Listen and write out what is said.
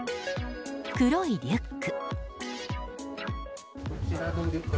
黒いリュック。